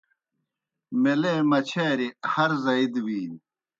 میلے مچھاری ہر زائی دہ بِینیْ